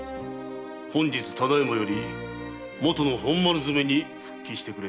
本日ただ今より元の本丸詰めに復帰してくれ。